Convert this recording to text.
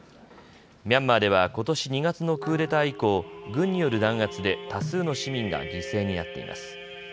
ミャンマーではことし２月のクーデター以降、軍による弾圧で多数の市民が犠牲になっています。